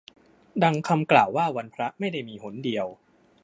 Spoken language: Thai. ดังคำกล่าวว่าวันพระไม่ได้มีหนเดียว